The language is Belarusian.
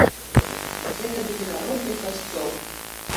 Гэта будзе народны касцёл!